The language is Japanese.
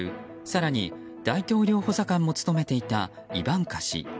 更に、大統領補佐官も務めていたイバンカ氏。